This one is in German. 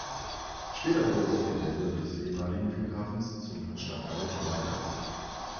Später wurde das Gelände des ehemaligen Flughafens zum Stadtteil Mailands.